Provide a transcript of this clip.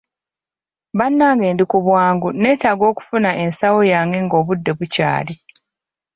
Bannange ndi ku bwangu neetaaga okufuna ensawo yange ng'obudde bukyali.